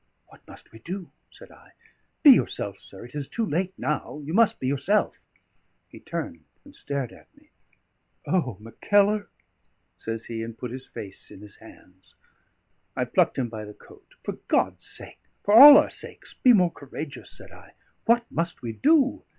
"What must we do?" said I. "Be yourself, sir. It is too late now: you must be yourself." He turned and stared at me. "O, Mackellar!" says he, and put his face in his hands. I plucked him by the coat. "For God's sake, for all our sakes, be more courageous!" said I. "What must we do?"